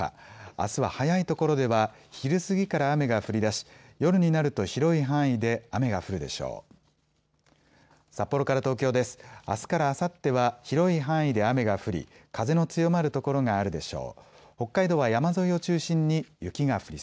あすは早いところでは昼過ぎから雨が降りだし夜になると広い範囲で雨が降るでしょう。